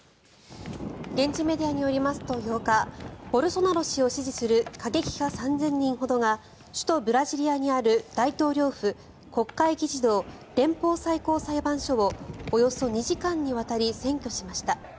現地メディアによりますと８日ボルソナロ氏を支持する過激派３０００人ほどが首都ブラジリアにある大統領府国会議事堂連邦最高裁判所をおよそ２時間にわたり占拠しました。